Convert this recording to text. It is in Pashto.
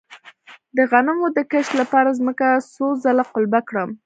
د غنمو د کښت لپاره ځمکه څو ځله قلبه کړم؟